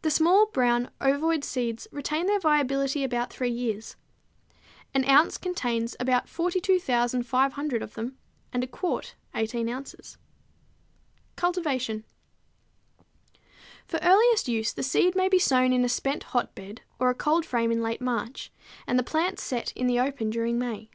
The small, brown, ovoid seeds retain their viability about three years. An ounce contains about 42,500 of them, and a quart 18 ounces. Cultivation. For earliest use the seed may be sown in a spent hotbed or a cold frame in late March, and the plants set in the open during May.